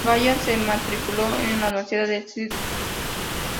Ballard se matriculó en la universidad de St.